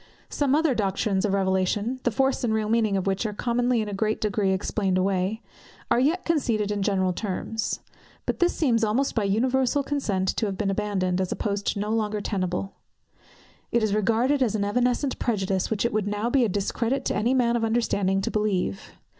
Some other Doctrines of Revelation, the force and real meaning of which are commonly in a great degree explained away, are yet conceded in general terms. But this seems almost by universal consent to have been abandoned, as a post no longer tenable. It is regarded as an evanescent prejudice, which it would now be a discredit to any man of understanding to believe.